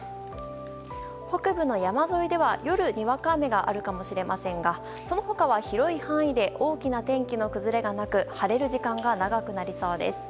北部の山沿いでは夜にわか雨があるかもしれませんがその他は広い範囲で大きな天気の崩れがなく晴れる時間が長くなりそうです。